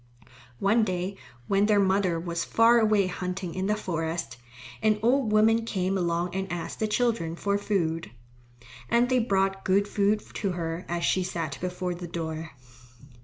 One day, when their mother was far away hunting in the forest, an old woman came along and asked the children for food. And they brought good food to her as she sat before the door.